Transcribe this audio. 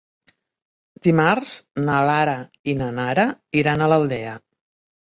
Dimarts na Lara i na Nara iran a l'Aldea.